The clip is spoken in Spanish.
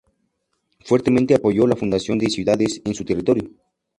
Fuertemente apoyó la fundación de ciudades en su territorio.